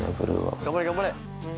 頑張れ頑張れ。